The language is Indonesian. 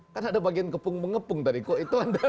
kan ada bagian kepung mengepung tadi kok itu